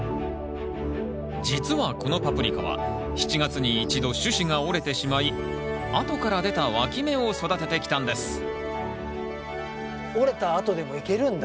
実はこのパプリカは７月に一度主枝が折れてしまいあとから出たわき芽を育ててきたんです折れたあとでもいけるんだ。